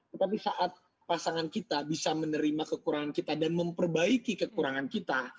tetapi saat pasangan kita bisa menerima kekurangan kita dan memperbaiki kekurangan kita